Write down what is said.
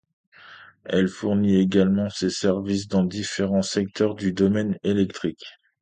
Elle fournit également ses services dans différents secteurs du domaine électrique.